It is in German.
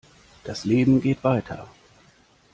Das Leben geht weiter.